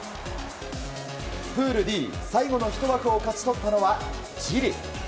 プールＤ最後の１枠を勝ち取ったのはチリ。